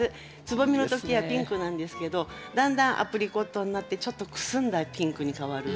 つぼみの時はピンクなんですけどだんだんアプリコットになってちょっとくすんだピンクに変わる。